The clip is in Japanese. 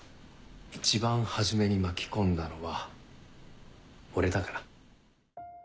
一番初めに巻き込んだのは俺だから。